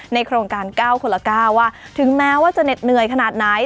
โครงการ๙คนละ๙ว่าถึงแม้ว่าจะเหน็ดเหนื่อยขนาดไหน